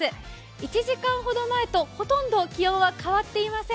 １時間ほど前とほとんど気温は変わっていません。